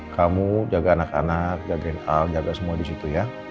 kamu jaga anak anak jagain al jaga semua di situ ya